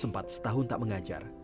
sempat setahun tak mengajar